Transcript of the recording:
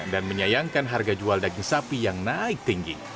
dan menyayangkan harga jual daging sapi yang naik tinggi